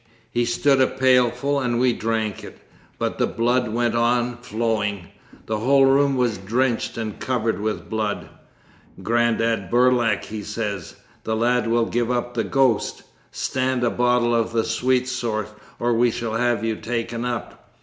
He stood a pailful, and we drank it, but the blood went on flowing. The whole room was drenched and covered with blood. Grandad Burlak, he says, "The lad will give up the ghost. Stand a bottle of the sweet sort, or we shall have you taken up!"